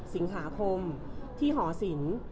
สิงหาคมที่หอสิน